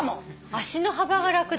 足の幅が楽だ。